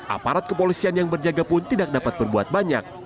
aparat kepolisian yang berjaga pun tidak dapat berbuat banyak